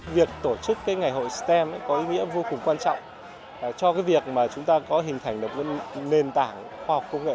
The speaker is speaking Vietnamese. việc tổ chức ngày hội stem có ý nghĩa vô cùng quan trọng cho việc chúng ta có hình thành nền tảng khoa học công nghệ